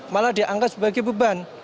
malah dianggap sebagai beban